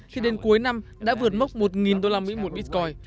thì đến cuối năm đã vượt mốc một đô la mỹ một bitcoin